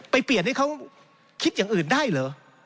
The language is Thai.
เปลี่ยนให้เขาคิดอย่างอื่นได้เหรอ